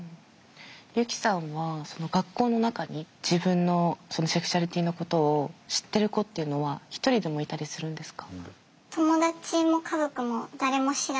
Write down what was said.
ユキさんは学校の中に自分のセクシュアリティーのことを知ってる子っていうのは一人でもいたりするんですか？